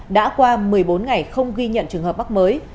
đã qua một mươi bốn ngày không ghi nhận trường hợp mắc mới